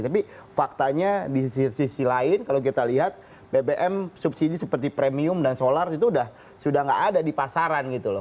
tapi faktanya di sisi lain kalau kita lihat bbm subsidi seperti premium dan solar itu sudah tidak ada di pasaran gitu loh